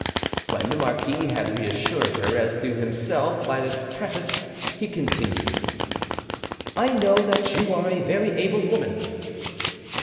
When the marquis had reassured her as to himself by this preface, he continued: "I know that you are a very able woman."